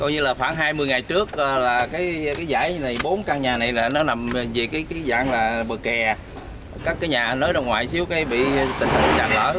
vì cái dạng là bờ kè các cái nhà nới đồng ngoại xíu cái bị tình hình sạt lở